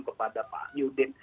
kepada pak yudin